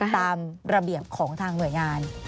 ตามระเบียบของทางหน่วยงาน